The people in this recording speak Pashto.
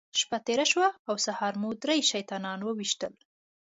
شپه تېره شوه او سهار مو درې شیطانان وويشتل.